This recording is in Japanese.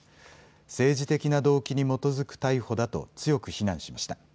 政治的な動機に基づく逮捕だと強く非難しました。